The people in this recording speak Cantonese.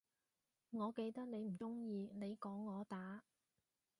我記得你唔鍾意你講我打